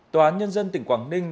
tòa án nhân dân tỉnh quảng ninh